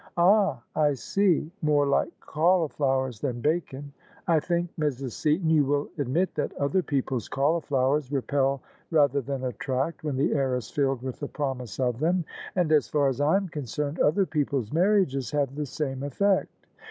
'' Ah ! I see ; more like cauliflowers than bacon. I think, Mrs. Beaton, you will admit that other people's cauliflowers repel rather than attract when the air is filled with the promise of them : and — 3s far as I am concerned^ other peo ple's marriages have the same effect."